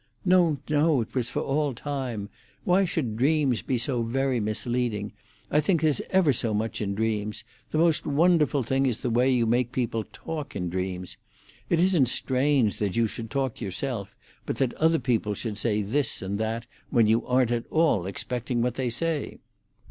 "No, no! It was for all time. Why should dreams be so very misleading? I think there's ever so much in dreams. The most wonderful thing is the way you make people talk in dreams. It isn't strange that you should talk yourself, but that other people should say this and that when you aren't at all expecting what they say."